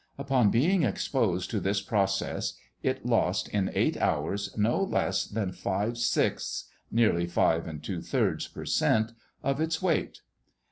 Upon being exposed to this process, it lost in eight hours no less than five sixths (nearly five and two thirds) per cent. of its weight.